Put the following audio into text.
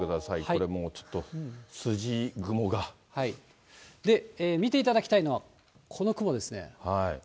これもう、見ていただきたいのは、この雲ですね。